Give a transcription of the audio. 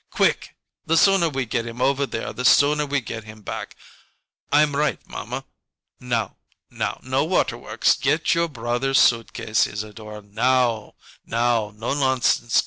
Quick! The sooner we get him over there the sooner we get him back! I'm right, mamma? Now, now! No waterworks! Get your brother's suit case, Isadore. Now, now! No nonsense!